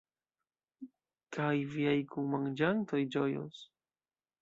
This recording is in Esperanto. Kaj viaj kunmanĝantoj ĝojos.